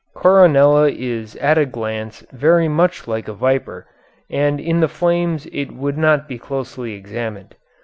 Coronella is at a glance very much like a viper; and in the flames it would not be closely examined.